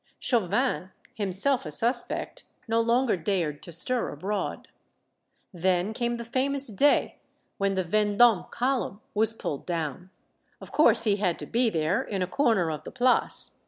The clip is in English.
Chauvin, himself a suspect, no longer dared to stir abroad. Then came the fa mous day when the Vendome Column was pulled down. Of course he had to be there, in a corner of the Place.